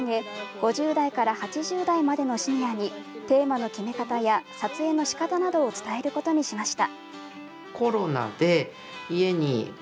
５０代から８０代までのシニアにテーマの決め方や撮影の仕方などを伝えることにしました。